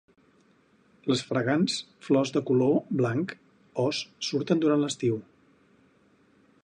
Les fragants flors de color blanc os surten durant l'estiu.